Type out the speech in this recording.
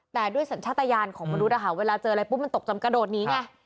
แต่ด้วยสัญชาติยานของมนุษย์เวลาเจออะไรปุ๊บมันตกจำกระโดดหนีไง